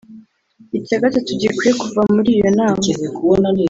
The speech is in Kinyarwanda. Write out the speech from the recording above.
Icya gatatu gikwiye kuva muri iyo nama